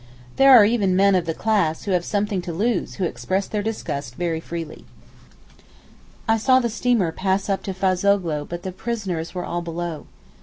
There are even men of the class who have something to lose who express their disgust very freely. I saw the steamer pass up to Fazoghlou but the prisoners were all below.